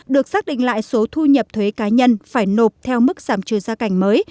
được xác định lại số thu nhập thuế cá nhân phải nộp theo mức giảm trừ gia cảnh mới